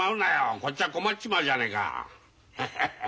こっちは困っちまうじゃねえかハハハ。